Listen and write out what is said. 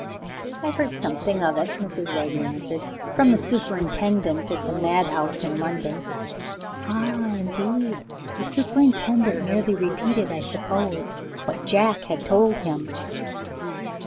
"I heard something of it," Mrs. Wagner answered, "from the superintendent at the madhouse in London." "Ah, indeed? The superintendent merely repeated, I suppose, what Jack had told him?"